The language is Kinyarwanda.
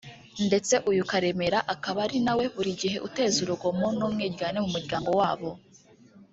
ndetse uyu Karemera akaba ari nawe buri gihe uteza urugomo n’umwiryane mu muryango wabo